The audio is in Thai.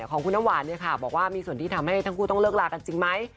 ของคุณน้ำหวานเนี่ยค่ะบอกว่ามีส่วนที่ทำให้ทั้งคู่ต้องเลิกลากันจริงไหม